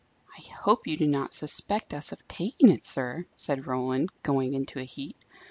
"I hope you do not suspect us of taking it, sir!" said Roland, going into a heat.